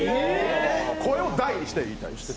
声を大にして言いたい。